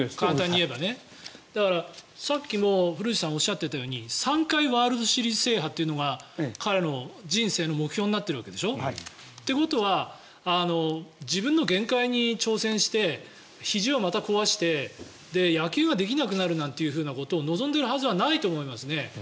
だから、さっきも古内さんがおっしゃっていたように３回ワールドシリーズ制覇というのが彼の人生の目標になっているわけでしょ。ということは自分の限界に挑戦してひじをまた壊して野球ができなくなるなんてことを望んでいるはずがないと思いますね。